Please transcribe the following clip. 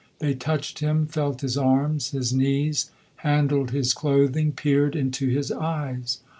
They touched him, felt his arms, his knees, handled his clothing, peered into his eyes.